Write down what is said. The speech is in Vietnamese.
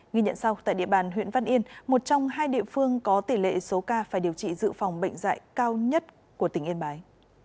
ghi nhận sau tại địa bàn huyện văn yên một trong hai địa phương có tỷ lệ số ca phải điều trị dự phòng bệnh dạy cao nhất của tỉnh yên bái